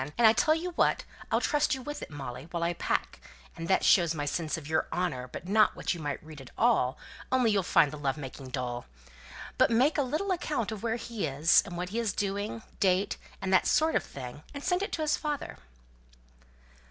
And I'll tell you what, I'll trust you with it, Molly, while I pack; and that shows my sense of your honour not but what you might read it all, only you'd find the love making dull; but make a little account of where he is, and what he is doing, date, and that sort of thing, and send it to his father."